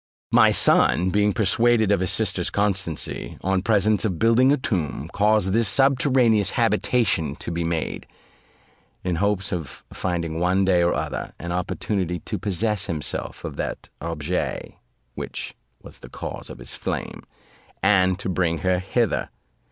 "My son being persuaded of his sister's constancy, on presence of building a tomb, caused this subterraneous habitation to be made, in hopes of finding one day or other an opportunity to possess himself of that objets which was the cause of his flame, and to bring her hither.